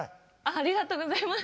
ありがとうございます。